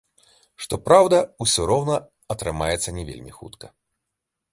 Што праўда, усё роўна атрымаецца не вельмі хутка.